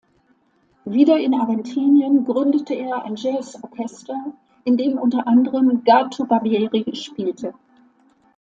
Wieder in Argentinien, gründete er ein Jazz-Orchester, in dem unter anderem Gato Barbieri spielte.